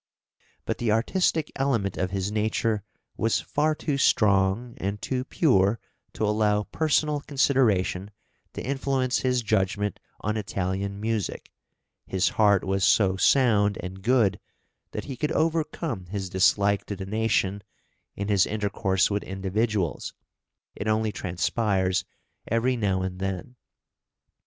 But the artistic element of his nature was far too strong and too pure to allow personal consideration to influence his judgment on Italian music; his heart was so sound and good that he {EARLY MANHOOD.} (342) could overcome his dislike to the nation in his intercourse with individuals: it only transpires every now and then.